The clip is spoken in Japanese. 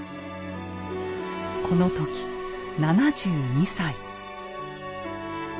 この時７２歳。